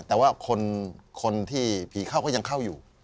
แต่ว่าคนที่ผีเข้าก็ยังเข้าอยู่